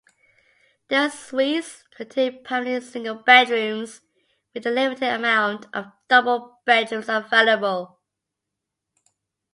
The suites contain primarily single bedrooms, with a limited amount of double bedrooms available.